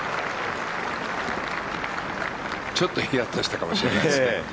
ちょっとひやっとしたかもしれないですね。